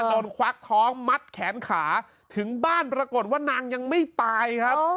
ควักท้องมัดแขนขาถึงบ้านปรากฏว่านางยังไม่ตายครับ